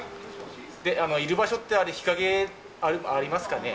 いる場所って、日陰ありますかね。